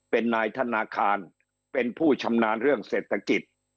เป็นนายธนาคารเป็นผู้ชำนาญเรื่องเศรษฐกิจ